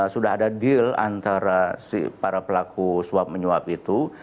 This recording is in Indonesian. sudah ada deal antara para pelaku suap menyuap itu